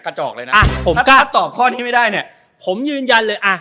จอกเลยนะอ่ะผมกล้าตอบข้อนี้ไม่ได้เนี่ยผมยืนยันเลยอ่ะ